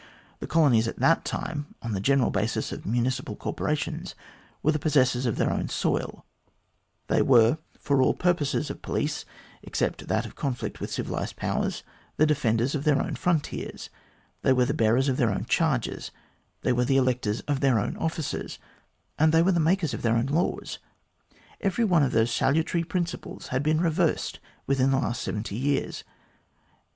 The colonies at that time, on the general basis of municipal corporations, were the possessors of their own soil ; they were for all purposes of police, except that of conflict with civilised powers, the defenders of their own frontiers ; they were the bearers of their own charges ; they were the electors of their own officers ; and they were the makers of their own laws. Every one of those salutary principles had been reversed within the last seventy years.